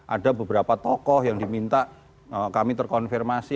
ada beberapa tokoh yang diminta kami terkonfirmasi